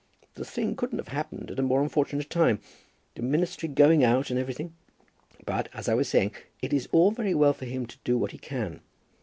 The thing couldn't have happened at a more unfortunate time; the Ministry going out, and everything. But, as I was saying, it is all very well for him to do what he can.